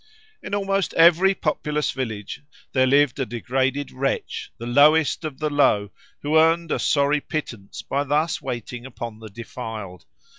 In almost every populous village there lived a degraded wretch, the lowest of the low, who earned a sorry pittance by thus waiting upon the defiled.